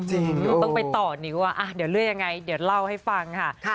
หนูต้องไปต่อนิ้วว่าเดี๋ยวเรื่องยังไงเดี๋ยวเล่าให้ฟังค่ะ